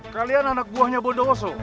kalian anak buahnya berdosa